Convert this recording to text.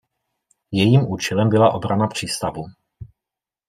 Jejím účelem byla obrana přístavu.